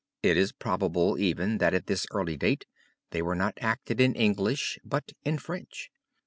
It is probable, even, that at this early date they were not acted in English but in French.